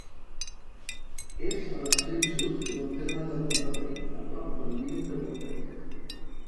És a l'extrem sud del terme de Montferrer, a prop del límit amb el Tec.